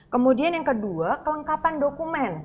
kemudian yang kedua kelengkapan dokumen